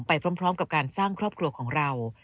ไปพร้อมกับการสร้างครอบครัวของเรา